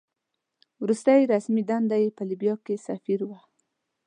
وروستۍ رسمي دنده یې په لیبیا کې سفیر وه.